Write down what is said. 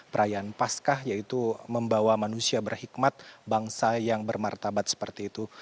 perayaan pascah yaitu membawa manusia berhikmat bangsa yang bermartabat seperti itu